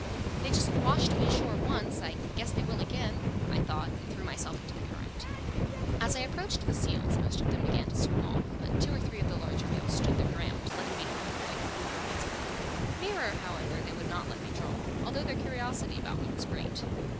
"They just washed me ashore once; I guess they will again," I thought, and threw myself into the current. As I approached the seals most of them began to swim off, but two or three of the larger males stood their ground, letting me come to within a couple of rods of them. Nearer, however, they would not let me draw, although their curiosity about me was great.